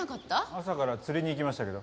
朝から釣りに行きましたけど。